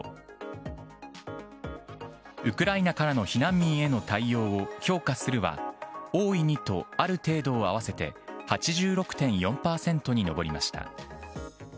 ウクライナからの避難民への対応を評価するは、大いにとある程度を合わせて８６．４％に上りました。